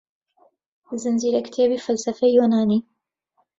زنجیرەکتێبی فەلسەفەی یۆنانی